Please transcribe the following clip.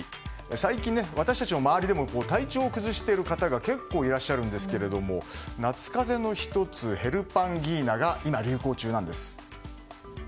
最近、私たちの周りでも体調を崩している方が結構いらっしゃるんですが夏風邪の１つヘルパンギーナが今、流行中なんです。